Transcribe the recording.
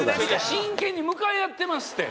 真剣に向かい合ってますって。